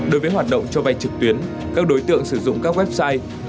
đối với hoạt động cho vay trực tuyến các đối tượng sử dụng các website